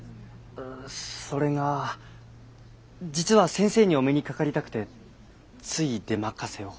それが実は先生にお目にかかりたくてつい出任せを。